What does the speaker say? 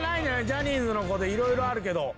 ジャニーズの子で色々あるけど。